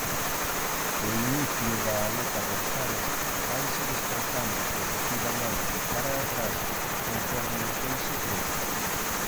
O inicio da aleta dorsal vaise desprazando progresivamente cara atrás conforme o peixe crece.